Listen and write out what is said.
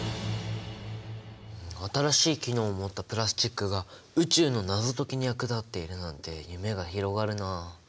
新しい機能を持ったプラスチックが宇宙の謎解きに役立っているなんて夢が広がるなあ。